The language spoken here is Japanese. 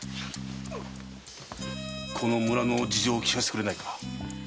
この村の事情を聞かせてくれないか？